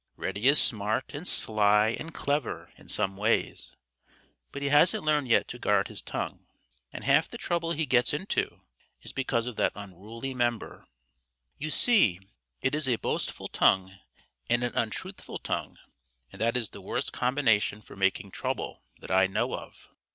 Reddy is smart and sly and clever in some ways, but he hasn't learned yet to guard his tongue, and half the trouble he gets into is because of that unruly member. You see it is a boastful tongue and an untruthful tongue and that is the worst combination for making trouble that I know of.